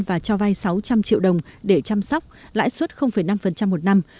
và cho vay sáu trăm linh triệu đồng để chăm sóc lãi suất năm một năm